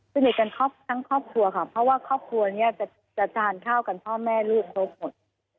สนิทกันครบทั้งครอบครัวค่ะเพราะว่าครอบครัวนี้จะทานข้าวกันพ่อแม่ลูกครบหมด